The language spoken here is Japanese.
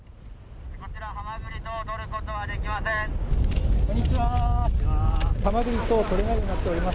ハマグリ等を取ることはできません。